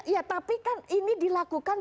ya tapi kan ini dilakukan